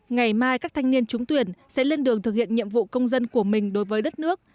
ngày mai các thanh niên trúng tuyển sẽ lên đường thực hiện nhiệm vụ công dân của mình đối với đất nước